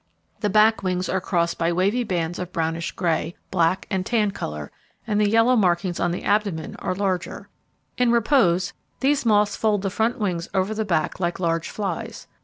The back wings are crossed by wavy bands of brownish grey, black, and tan colour, and the yellow markings on the abdomen are larger. In repose, these moths fold the front wings over the back like large flies.